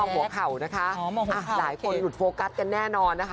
หัวเข่านะคะหลายคนหลุดโฟกัสกันแน่นอนนะคะ